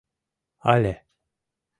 Але: